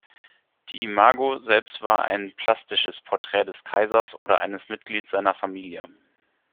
Die Imago selbst war ein plastisches Porträt des Kaisers oder eines Mitglieds seiner Familie.